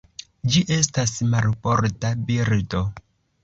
Ĝi estas marborda birdo.